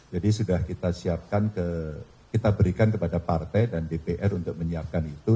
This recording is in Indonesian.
jadi sudah kita siapkan kita berikan kepada partai dan dpr untuk menyiapkan itu